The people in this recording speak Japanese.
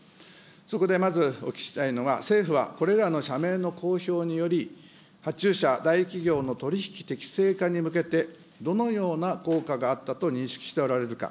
そこでまずお聞きしたいのが、政府はこれらの社名の公表により、発注者、大企業の取り引き適正化に向けて、どのような効果があったと認識しておられるか。